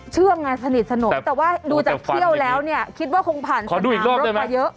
เชื่องไงสนิทสนุกแต่ว่าดูจากเขี้ยวแล้วเนี่ยคิดว่าคงผ่านสนามรถความเยอะ